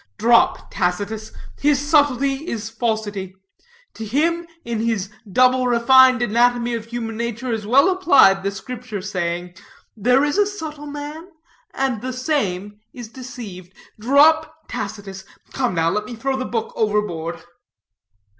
Drop Tacitus. His subtlety is falsity, To him, in his double refined anatomy of human nature, is well applied the Scripture saying 'There is a subtle man, and the same is deceived.' Drop Tacitus. Come, now, let me throw the book overboard."